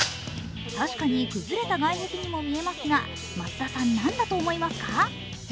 確かに崩れた外壁にも見えますが、松田さん、何だと思いますか？